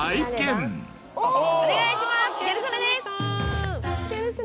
お願いします